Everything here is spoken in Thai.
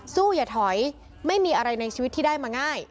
อย่าถอยไม่มีอะไรในชีวิตที่ได้มาง่าย